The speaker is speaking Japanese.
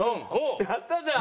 やったじゃん！